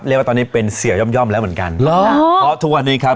เรียกว่าตอนนี้เป็นเสียย่อมย่อมแล้วเหมือนกันเหรอเพราะทุกวันนี้ครับ